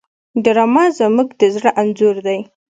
ډرامه زموږ د زړه انځور دی